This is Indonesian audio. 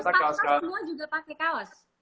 staff staff semua juga pakai kaos